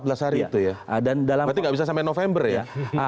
berarti nggak bisa sampai november ya